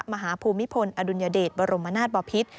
มหาภูมิพลอดุญเดชบรมนาฏบอพิษ